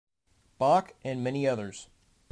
Bach, and many others.